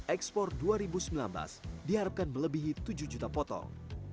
ekspor dua ribu sembilan belas diharapkan melebihi tujuh juta potong